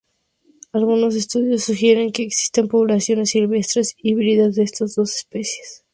Algunos estudios sugieren que existen poblaciones silvestres híbridas de estas dos especies.